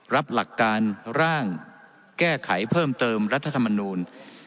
รับหลักการร่างแก้ไขเพิ่มเติมรัฐธรรมนูล